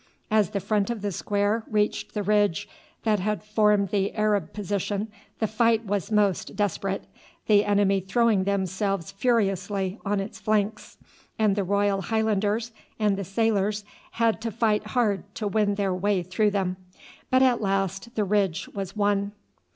As the front of the square reached the ridge that had formed the Arab position the fight was most desperate, the enemy throwing themselves furiously on its flanks; and the Royal Highlanders and the sailors had to fight hard to win their way through them. But at last the ridge was won.